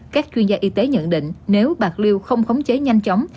các chuyên gia y tế nhận định nếu bạc liêu không khống chế nhanh chóng